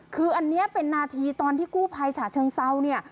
คืออันนี้เป็นนาทีตอนที่กู้ภัยฉะเชิงเซาเนี่ย